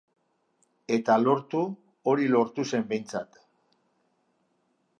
Eta lortu, hori lortu zen behintzat.